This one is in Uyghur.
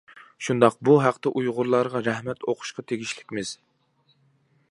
شۇنداق، بۇ ھەقتە ئۇيغۇرلارغا رەھمەت ئوقۇشقا تېگىشلىكمىز.